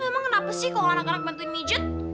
emang kenapa sih kalau anak anak bantuin mijet